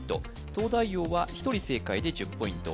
東大王は１人正解で１０ポイント